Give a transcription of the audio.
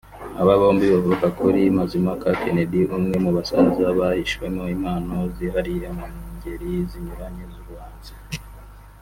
Aba bombi bavuka kuri Mazimpaka Kennedy umwe mu basaza bahishemo impano zihariye mu ngeri zinyuranye z’ubuhanzi